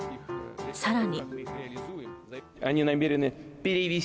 さらに。